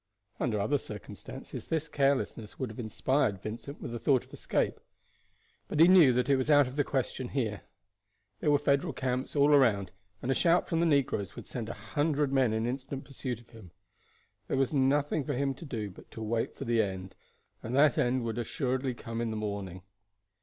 Under other circumstances this carelessness would have inspired Vincent with the thought of escape, but he knew that it was out of the question here. There were Federal camps all round and a shout from the negroes would send a hundred men in instant pursuit of him. There was nothing for him to do but to wait for the end, and that end would assuredly come in the morning.